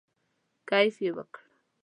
کیف یې وکړ.